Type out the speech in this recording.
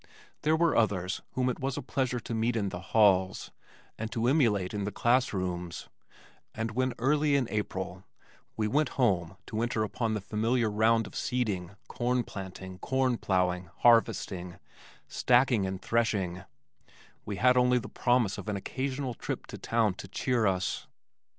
There were others whom it was a pleasure to meet in the halls and to emulate in the class rooms, and when early in April, we went home to enter upon the familiar round of seeding, corn planting, corn plowing, harvesting, stacking and threshing, we had only the promise of an occasional trip to town to cheer us.